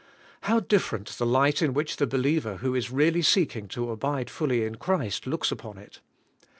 How different the light in which the believer who is really seeking to abide fully in Christ looks upon it.